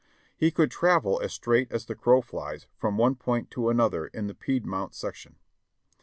He could travel as straight as the crow flies from one point to another in the Piedmont section.